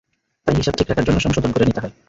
তাই হিসাব ঠিক রাখার জন্য সংশোধন করে নিতে হয়।